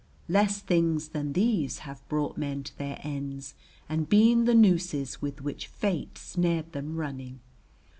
Less things than these have brought men to their ends and been the nooses with which Fate snared them running.